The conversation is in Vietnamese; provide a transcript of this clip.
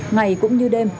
ngày cũng như đêm